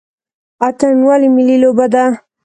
اتن ولې ملي لوبه ده؟